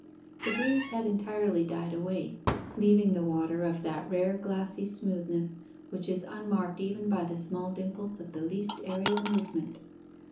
The breeze had entirely died away, leaving the water of that rare glassy smoothness which is unmarked even by the small dimples of the least aerial movement.